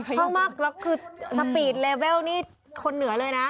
ข้องมากแล้วคือสปีดเลเวลนี่คนเหนือเลยนะ